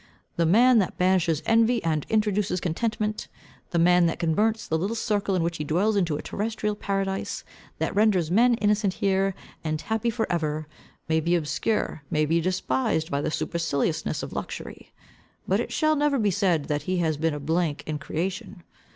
The man, that banishes envy and introduces contentment; the man, that converts the little circle in which he dwells into a terrestrial paradise, that renders men innocent here, and happy for ever, may be obscure, may be despised by the superciliousness of luxury; but it shall never be said that he has been a blank in creation.